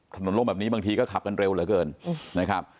ถนนโล่งบางทีก็ขับกันเร็วเหลือเกิน